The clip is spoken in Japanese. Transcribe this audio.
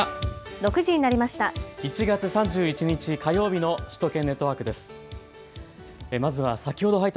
６時になりました。